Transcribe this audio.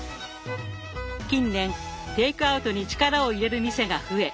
近年テイクアウトに力を入れる店が増え